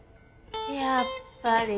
やっぱり。